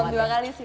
belum dua kali sih